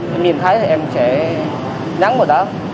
thì mình thấy thì em sẽ nhắn vào đó